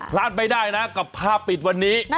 พลาดไม่ได้นะกับภาพปิดวันนี้